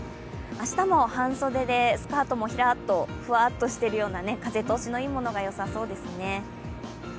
明日も半袖でスカートもひらっと、ふわっとしているような風通しのいいものがよさそうですね。